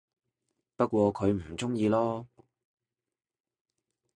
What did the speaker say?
不過佢唔鍾意囉